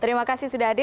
terima kasih sudah ada